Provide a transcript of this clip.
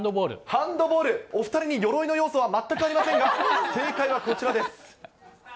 ハンドボール、お２人によろいの要素は全くありませんが、正解はこちらです。